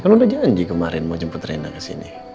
kan lu udah janji kemarin mau jemput rena kesini